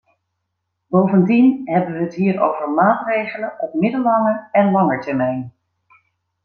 Bovendien hebben we het hier over maatregelen op middellange en lange termijn.